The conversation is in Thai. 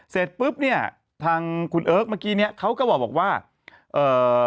เสร็จปุ๊บเนี่ยทางคุณเอิร์กเมื่อกี้เนี้ยเขาก็บอกว่าเอ่อ